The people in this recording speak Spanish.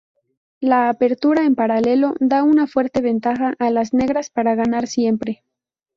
La apertura en paralelo da una fuerte ventaja a las negras para ganar siempre.